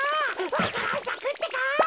わか蘭さくってか？